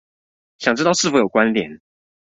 想知道是否有關連